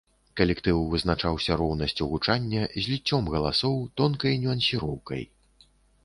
Калектыў вызначаўся роўнасцю гучання, зліццём галасоў, тонкай нюансіроўкай.